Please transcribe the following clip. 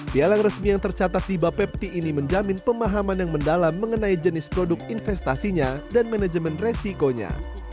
piala yang resmi yang tercatat di bapepti ini menjamin pemahaman yang mendalam mengenai jenis produk investasinya dan manajemen resikonya